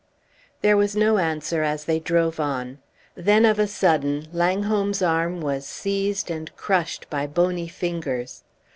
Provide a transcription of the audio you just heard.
There was no answer as they drove on. Then of a sudden Langholm's arm was seized and crushed by bony fingers.